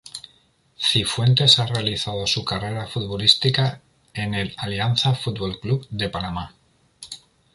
Cifuentes ha realizado su carrera futbolística en el Alianza Fútbol Club de Panamá.